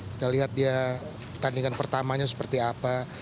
kita lihat ya tandingan pertamanya seperti apa